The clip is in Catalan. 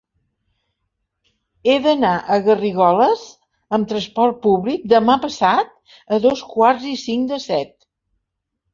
He d'anar a Garrigoles amb trasport públic demà passat a dos quarts i cinc de set.